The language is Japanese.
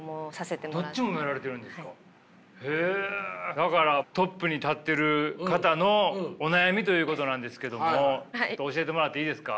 だからトップに立ってる方のお悩みということなんですけども教えてもらっていいですか。